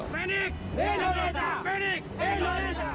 fenix indonesia fenix indonesia